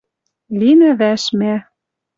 Линӓ вӓш мӓ